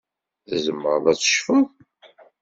Tzemreḍ ad tecfeḍ.